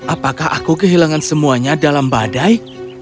apakah aku kehilangan semuanya dalam badai